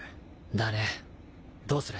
だねどうする？